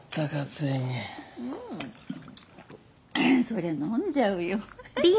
そりゃ飲んじゃうよはははっ。